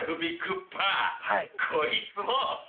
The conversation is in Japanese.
こいつも。